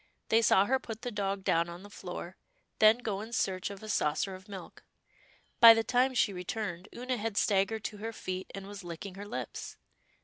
They saw her put the dog down on the floor, then go in search of a saucer of milk. By the time she returned, Oonah had staggered to her feet, and was licking her lips.